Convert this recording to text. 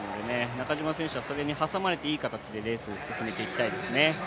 中島選手はそれに挟まれて、いい形でレースを進めていきたいですね。